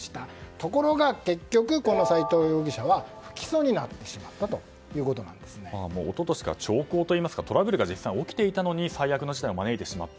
ところが結局、この斎藤容疑者は不起訴になってしまった一昨年から兆候といいますかトラブルが実際に起きていたのに最悪の事態を招いてしまった。